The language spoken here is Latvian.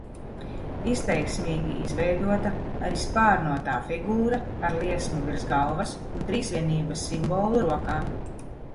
Izteiksmīgi izveidota arī spārnotā figūra ar liesmu virs galvas un Trīsvienības simbolu rokā.